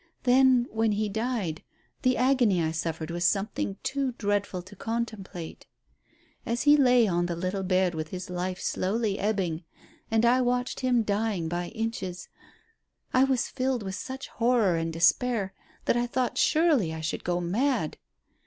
Then, when he died, the agony I suffered was something too dreadful to contemplate. As he lay on the little bed with his life slowly ebbing, and I watched him dying by inches, I was filled with such horror and despair that I thought surely I should go mad.